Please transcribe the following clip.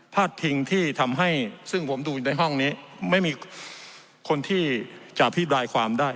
พิงที่ทำให้ซึ่งผมดูในห้องนี้ไม่มีคนที่จะอภิปรายความได้